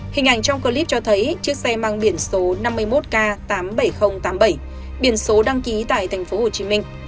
hình ảnh trong cơ líp cho thấy chiếc xe mang biển số năm mươi một k tám mươi bảy nghìn tám mươi bảy biển số đăng ký tại tp hcm